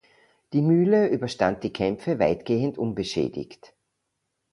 Die Mühle überstand die Kämpfe weitgehend unbeschädigt.